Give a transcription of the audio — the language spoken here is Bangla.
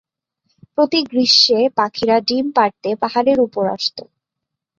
প্রতি গ্রীষ্মে পাখিরা ডিম পাড়তে পাহাড়ের উপর আসত।